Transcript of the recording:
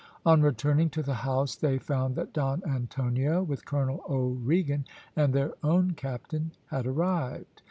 On returning to the house they found that Don Antonio, with Colonel O'Regan and their own captain, had arrived.